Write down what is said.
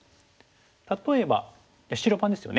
例えば白番ですよね。